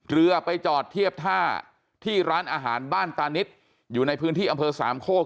เรือไปจอดเทียบท่าที่ร้านอาหารบ้านตานิดอยู่ในพื้นที่อำเภอสามโคก